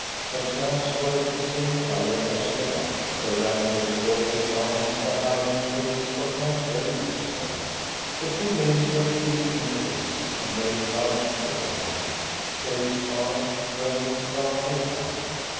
The slabs were of the same colour as the rock, so that to a casual glance the hiding place was not very visible. The two ladies were squeezed into this, and they crouched together, Sadie's arms thrown round her aunt.